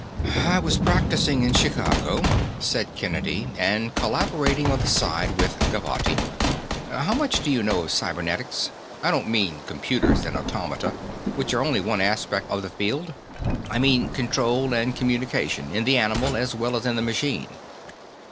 "I was practicing in Chicago," said Kennedy, "and collaborating on the side with Gavotti. How much do you know of cybernetics? I don't mean computers and automata, which are only one aspect of the field; I mean control and communication, in the animal as well as in the machine."